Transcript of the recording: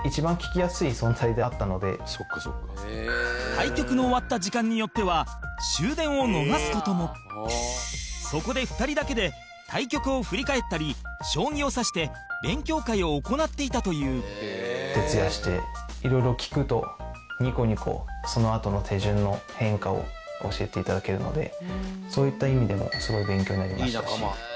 対局の終わった時間によっては終電を逃す事もそこで、２人だけで対局を振り返ったり将棋を指して勉強会を行っていたという宮嶋：徹夜して、いろいろ聞くとニコニコそのあとの手順の変化を教えていただけるのでそういった意味でもすごい勉強になりましたし。